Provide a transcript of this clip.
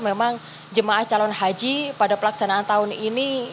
memang jemaah calon haji pada pelaksanaan tahun ini